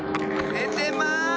ねてます！